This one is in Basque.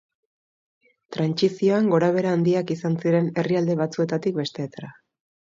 Trantsizioan gorabehera handiak izan ziren herrialde batzuetatik besteetara.